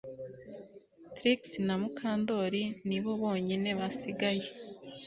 Trix na Mukandoli ni bo bonyine basigaye